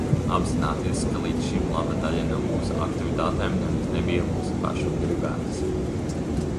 Apzināties, ka līdz šim laba daļa no mūsu aktivitātēm nemaz nebija mūsu pašu gribētas.